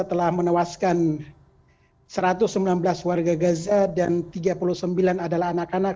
telah menewaskan satu ratus sembilan belas warga gaza dan tiga puluh sembilan adalah anak anak